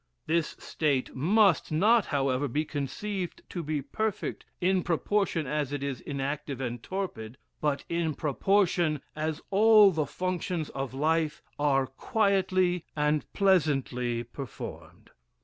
This state must not, however, be conceived to be perfect in proportion as it is inactive and torpid, but in proportion as all the functions of life are quietly and pleasantly performed.